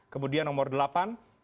kemudian nomor delapan